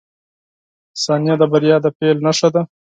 • ثانیه د بریا د پیل نښه ده.